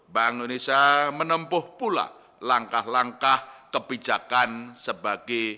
bank indonesia menempuh pula langkah langkah kebijakan sebagai